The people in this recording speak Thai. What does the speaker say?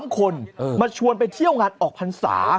๓คนมาชวนไปเที่ยวงานออกพรรษา